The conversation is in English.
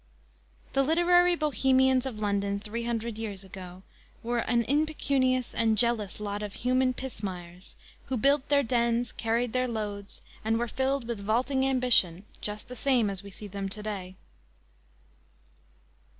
"_ The literary bohemians of London three hundred years ago were an impecunious and jealous lot of human pismires, who built their dens, carried their loads, and were filled with vaulting ambition just the same as we see them to day.